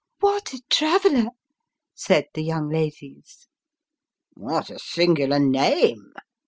" What a traveller !" said the young ladies. " What a singular name